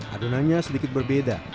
adonannya sedikit berbeda